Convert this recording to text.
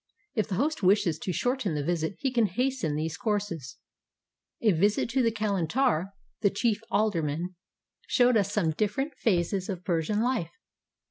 " If the host wishes to shorten the visit he can hasten these courses. A visit to the kalmitar, the chief alderman, showed us some different phases of Persian life.